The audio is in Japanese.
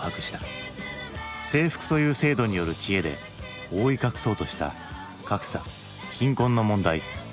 制服という制度による知恵で覆い隠そうとした格差貧困の問題。